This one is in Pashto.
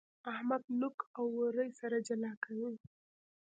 احمد نوک او اورۍ سره جلا کوي.